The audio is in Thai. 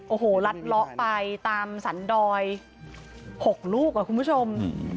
โอ้โหลัดเลาะไปตามสันดอย๖ลูกคุณผู้ชม